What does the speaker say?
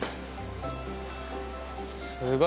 すごい。